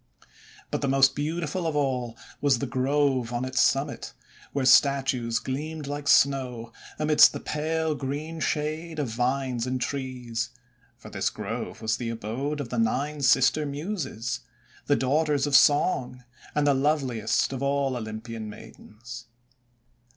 But the most beautiful of all was the Grove on its summit, where statues gleamed like snow amidst the pale green shade of vines and trees. For this Grove was the abode of the Nine Sister Muses, the daughters of song, and the loveliest of all Olympian maidens.